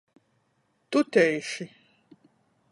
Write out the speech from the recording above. Tutejši.